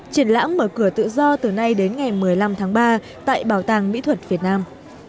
triển lãm mở cửa tự do từ nay đến ngày một mươi năm tháng ba tại bảo tàng mỹ thuật việt nam